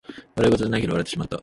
笑いごとじゃないけど笑ってしまった